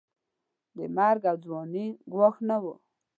د مرګ او ځورونې ګواښ نه وو.